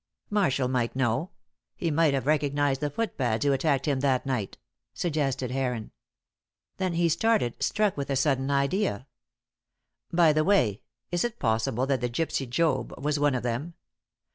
"Marshall might know; he might have recognised the footpads who attacked him that night," suggested Heron. Then he started, struck with a sudden idea. "By the way, is it possible that the gypsy Job was one of them?